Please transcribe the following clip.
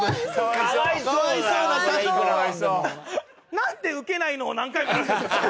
なんでウケないのを何回もやらせるんですか？